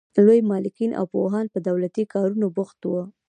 لوی مالکین او پوهان په دولتي کارونو بوخت وو.